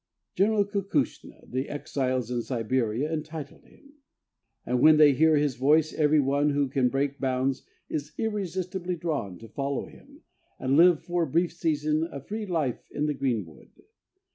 General Kukushna the exiles in Siberia entitle him; and when they hear his voice, every one who can break bounds is irresistibly drawn to follow him, and live for a brief season a free life in the greenwood.